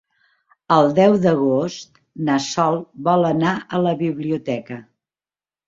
El deu d'agost na Sol vol anar a la biblioteca.